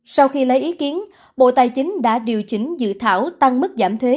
sau khi lấy ý kiến bộ tài chính đã điều chỉnh dự thảo tăng mức giảm thuế